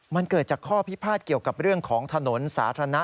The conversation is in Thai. มันเกิดจากข้อพิพาทเกี่ยวกับเรื่องของถนนสาธารณะ